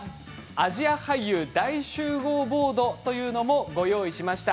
アジア俳優大集合ボードというものをご用意しました。